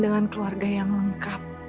dengan keluarga yang lengkap